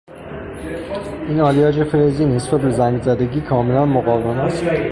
این آلیاژ فلزی نسبت به زنگ زدگی کاملا مقاوم است.